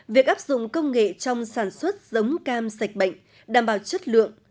việc áp dụng công nghệ trong sản xuất giống cam sạch bệnh đảm bảo chất lượng